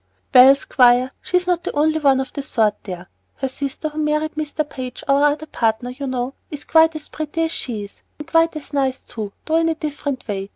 "Well, Squire, she's not the only one of the sort over there. Her sister, who married Mr. Page, our other partner, you know, is quite as pretty as she is, and as nice, too, though in a different way.